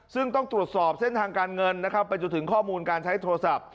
ซึ่งต้องตรวจสอบเส้นทางการเงินนะครับไปจนถึงข้อมูลการใช้โทรศัพท์